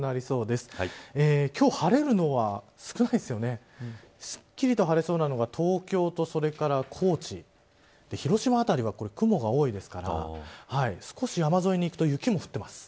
すっきりと晴れそうなのが東京とそれから高知広島辺りは雲が多いですから少し山沿いにいくと雪も降ってます。